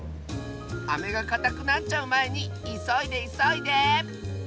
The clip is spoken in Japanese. アメがかたくなっちゃうまえにいそいでいそいで！